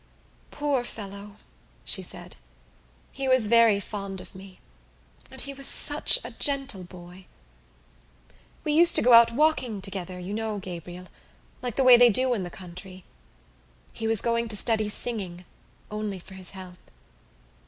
"Poor fellow," she said. "He was very fond of me and he was such a gentle boy. We used to go out together, walking, you know, Gabriel, like the way they do in the country. He was going to study singing only for his health.